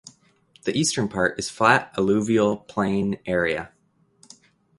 The eastern part is flat alluvial plain area.